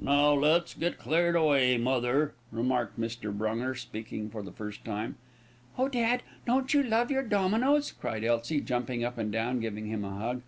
"Now, let's get cleared away, mother," remarked Mr. Brunger, speaking for the first time. "Oh, dad! don't you love your dominoes?" cried Elsie, jumping up and giving him a hug.